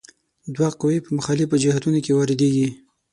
دوه قوې په مخالفو جهتونو کې واردیږي.